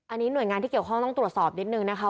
อันนี้หน่วยงานที่เกี่ยวข้องต้องตรวจสอบนิดนึงนะคะ